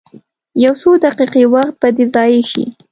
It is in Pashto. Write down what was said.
یو څو دقیقې وخت به دې ضایع شي.